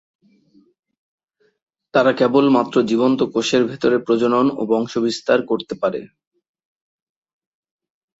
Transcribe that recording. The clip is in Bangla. তারা কেবলমাত্র জীবন্ত কোষের ভেতরে প্রজনন ও বংশবিস্তার করতে পারে।